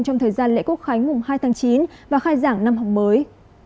trong thời gian lễ quốc khánh mùng hai tháng chín và khai giảng năm học mới